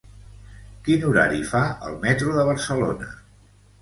Quin horari fa el metro de Barcelona?